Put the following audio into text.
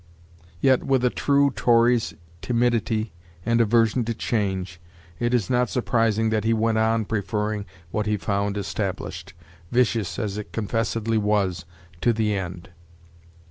"' Yet, with a true Tory's timidity and aversion to change, it is not surprising that he went on preferring what he found established, vicious as it confessedly was, to the end.